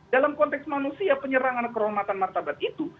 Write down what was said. dalam konteks manusia penyerangan kehormatan martabat itu